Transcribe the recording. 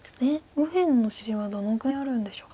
右辺の白地はどのぐらいあるんでしょうか。